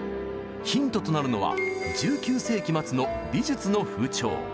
ヒントとなるのは１９世紀末の美術の風潮。